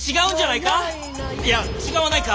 いや違わないか。